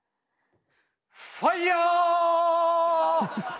ファイヤー！